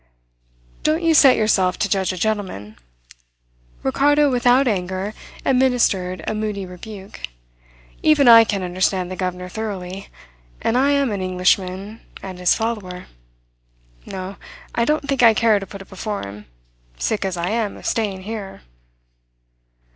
"Don't you set yourself to judge a gentleman." Ricardo without anger administered a moody rebuke. "Even I can't understand the governor thoroughly. And I am an Englishman and his follower. No, I don't think I care to put it before him, sick as I am of staying here."